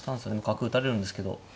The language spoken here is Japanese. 角打たれるんですけど。